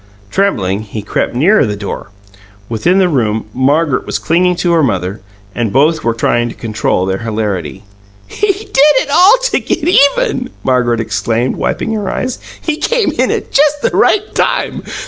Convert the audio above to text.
Trembling, he crept nearer the door. Within the room Margaret was clinging to her mother, and both were trying to control their hilarity. "He did it all to get even!" Margaret exclaimed, wiping her eyes. "He came in at just the right time.